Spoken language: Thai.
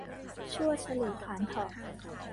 ชวด ฉลู ขาล เถาะ